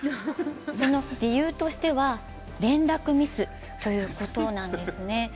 その理由としては連絡ミスということなんですね。